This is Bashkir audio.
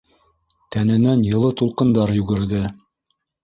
Тәненән йылы тулҡындар йүгерҙе.